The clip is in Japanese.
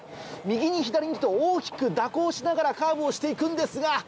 右に左にと大きく蛇行しながらカーブをして行くんですが。